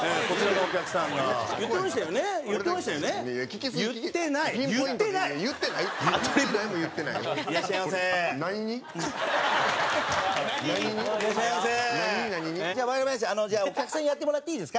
お客さん、やってもらっていいですか？